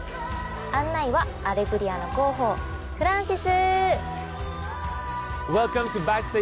案内は『アレグリア』の広報フランシス！